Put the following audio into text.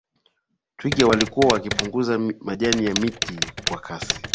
twiga walikuwa wakipunguza majani ya miti kwa kasi